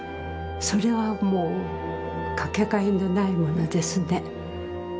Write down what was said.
それはもう掛けがえのないものですね。